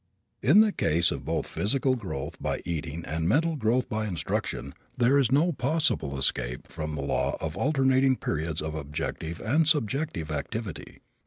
In the case of both physical growth by eating and mental growth by instruction there is no possible escape from the law of alternating periods of objective and subjective activity.